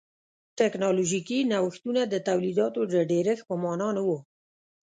ټکنالوژیکي نوښتونه د تولیداتو د ډېرښت په معنا نه و.